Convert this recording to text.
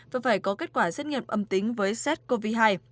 và phải có kết quả xét nghiệm âm tính với sars cov hai